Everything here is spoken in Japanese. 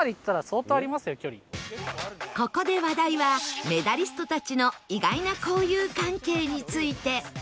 ここで話題はメダリストたちの意外な交友関係について